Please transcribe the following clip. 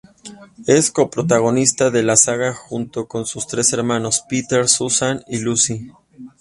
Es co-protagonista de la saga junto con sus tres hermanos: Peter, Susan y Lucy.